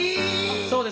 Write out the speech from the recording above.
そうです。